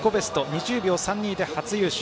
２０秒３２で初優勝。